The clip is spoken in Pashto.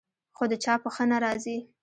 خو د چا په ښه نه راځي.